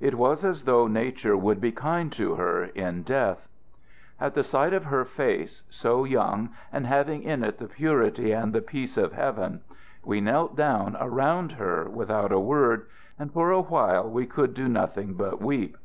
It was as though nature would be kind to her in death. "At the sight of her face, so young, and having in it the purity and the peace of Heaven, we knelt down around her without a word, and for a while we could do nothing but weep.